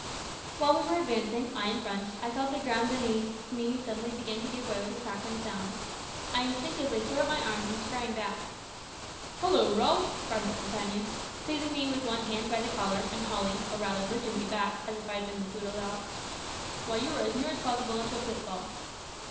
While we were advancing I in front I felt the ground beneath me suddenly begin to give way with a crackling sound. I instinctively threw up my arms and sprang back. "Hollo, Ralph!" cried my companion, seizing me with one hand by the collar, and hauling, or rather lifting me back, as if I had been a poodle dog. "Why, you were as near as possible into a pitfall."